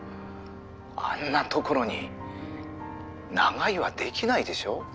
「あんなところに長居は出来ないでしょ？」